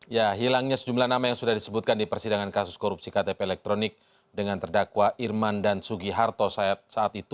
ya hilangnya sejumlah nama yang sudah disebutkan di persidangan kasus korupsi ktp elektronik dengan terdakwa irman dan sugiharto saat itu